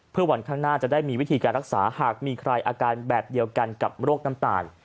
เพื่อวันข้างหน้าจะได้มีวิธีการรักษาหากมีใครอาการแบบเดียวกันกับโรคน้ำตาล